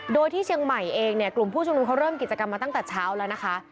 โดยที่เชียงใหม่เองเนี่ยกลุ่มผู้ชุมนุมเขาเริ่มกิจกรรมมาตั้งแต่เช้าแล้วนะคะ